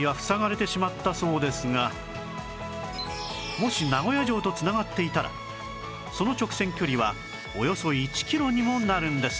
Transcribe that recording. もし名古屋城と繋がっていたらその直線距離はおよそ１キロにもなるんです